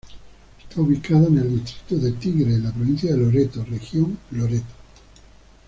Esta ubicada en el distrito de Tigre en la provincia de Loreto, región Loreto.